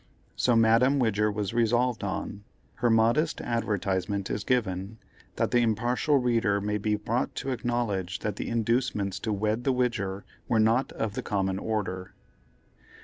So Madame Widger was resolved on. Her modest advertisement is given, that the impartial reader may be brought to acknowledge that the inducements to wed the Widger were not of the common order.